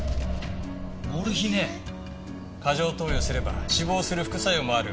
過剰投与すれば死亡する副作用もある麻薬です。